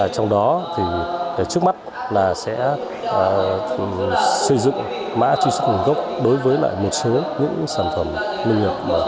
trong đó thì trước mắt là sẽ xây dựng mã truy xuất nguồn gốc đối với lại một số những sản phẩm nông nghiệp